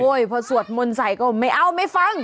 โอ๊ยเพราะสวดมนต์ใส่ก็ไม่เอาไม่ฟัง